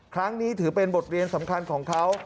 ครั้งนี้ถือเป็นบทเรียนสำคัญของเขา